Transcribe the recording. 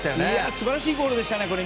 素晴らしいゴールでしたね。